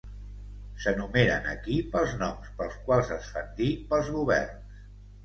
S'enumeren aquí pels noms pels quals es fan dir pels governs.